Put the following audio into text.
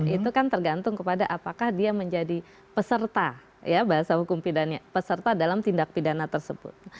itu kan tergantung kepada apakah dia menjadi peserta dalam tindak pidana tersebut